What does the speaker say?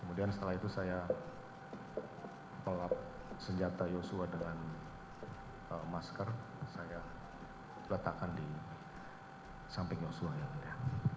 kemudian setelah itu saya pelap senjata yosua dengan masker saya letakkan di samping yosua yang mulia